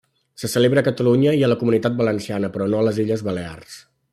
Se celebra a Catalunya i a la Comunitat Valenciana però no a les Illes Balears.